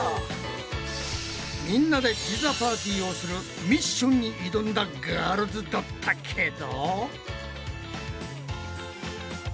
みんなでピザパーティーをするミッションに挑んだガールズだったけど。